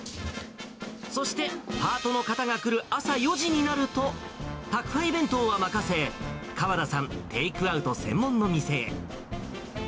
そしてパートの方が来る朝４時になると、宅配弁当は任せ、川田さん、テイクアウト専門の店へ。